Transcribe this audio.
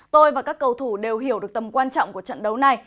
tôi và các cầu thủ đều hiểu được tầm quan trọng của trận đấu này